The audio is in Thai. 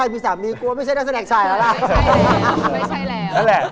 ไม่ใช่แล้ว